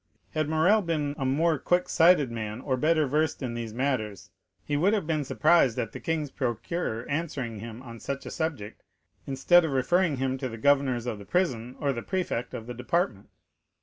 Had Morrel been a more quick sighted man, or better versed in these matters, he would have been surprised at the king's procureur answering him on such a subject, instead of referring him to the governors of the prison or the prefect of the department.